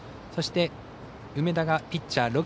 そして、梅田がピッチャー。